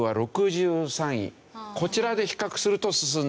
こちらで比較すると進んでる。